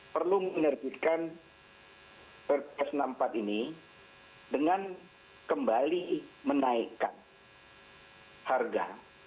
perlu menerbitkan perpres enam puluh empat ini dengan kembali menaikkan harga